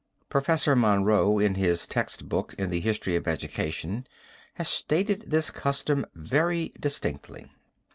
Professor Monroe in his text book in the History of Education has stated this custom very distinctly.